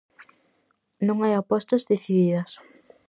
Non hai apostas decididas.